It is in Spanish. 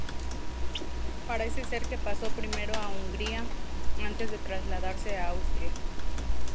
Parece ser que pasó primero a Hungría, antes de trasladarse a Austria.